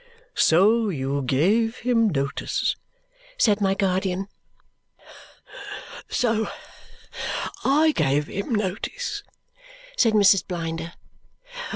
"So you gave him notice?" said my guardian. "So I gave him notice," said Mrs. Blinder.